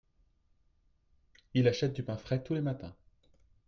il achète du pain frais tous les matins.